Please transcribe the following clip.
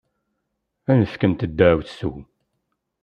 Ad am-fkent ddeɛwessu.